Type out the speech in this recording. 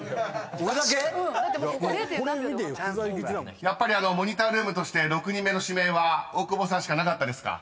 俺だけ⁉［やっぱりモニタールームとして６人目の指名は大久保さんしかなかったですか？］